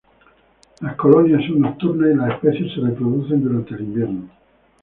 Las colonias son nocturnas, y la especie se reproduce durante el invierno.